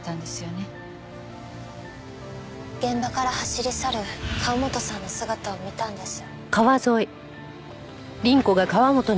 現場から走り去る河元さんの姿を見たんです。